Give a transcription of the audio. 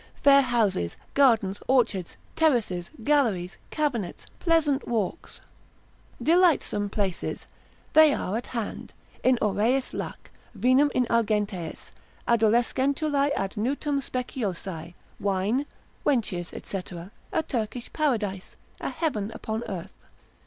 Fair houses, gardens, orchards, terraces, galleries, cabinets, pleasant walks, delightsome places, they are at hand: in aureis lac, vinum in argenteis, adolescentulae ad nutum speciosae, wine, wenches, &c. a Turkish paradise, a heaven upon earth.